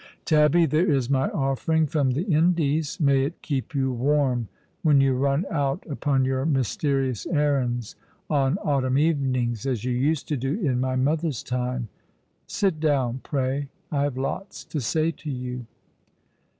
"Tabby, there is my offering from the Indies. May it keep you warm when you run out upon your mysterious errands on autumn evenings, as you used to do in my mother's time. Sit down, pray; I have lots to say to you."